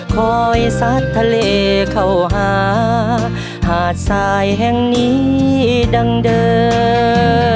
ซัดทะเลเข้าหาหาดทรายแห่งนี้ดังเดิม